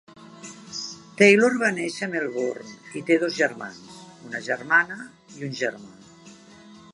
Taylor va néixer a Melbourne i té dos germans, una germana i un germà.